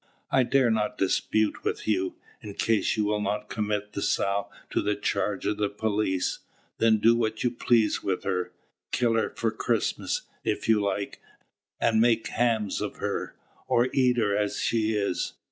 "I dare not dispute with you. In case you will not commit the sow to the charge of the police, then do what you please with her: kill her for Christmas, if you like, and make hams of her, or eat her as she is.